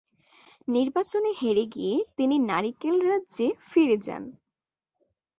নির্বাচনে হেরে গিয়ে তিনি নারিকেল রাজ্যে ফিরে যান।